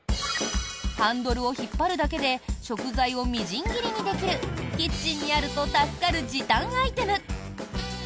ハンドルを引っ張るだけで食材をみじん切りにできるキッチンにあると助かる時短アイテム。